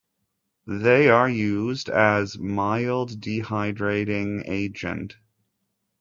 They are used as mild dehydrating agent.